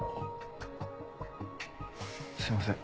すいません。